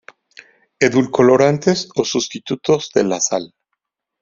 Edulcorantes o sustitutos de la sal.